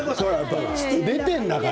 出てるんだから。